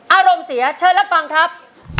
อารมณ์เสียเชิญรับฟังครับ